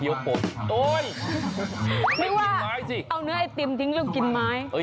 ไม่ว่าเอาเนื้อไอติมทิ้งแล้วกินไม้